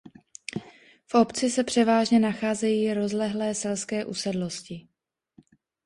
V obci se převážně nacházejí rozlehlé selské usedlosti.